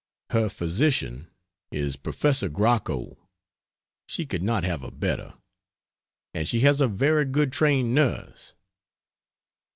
Her physician is Professor Grocco she could not have a better. And she has a very good trained nurse.